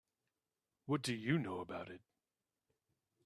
What do you know about it?